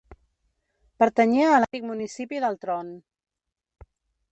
Pertanyia a l'antic municipi d'Altron.